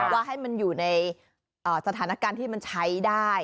ว่าให้มันอยู่ในสถานการณ์ที่มันใช้ได้